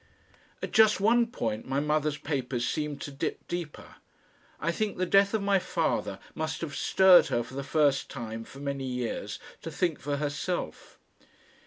At just one point my mother's papers seem to dip deeper. I think the death of my father must have stirred her for the first time for many years to think for herself.